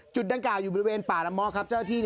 ดังกล่าอยู่บริเวณป่าละเมาะครับเจ้าที่